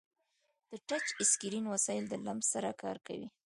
د ټچ اسکرین وسایل د لمس سره کار کوي.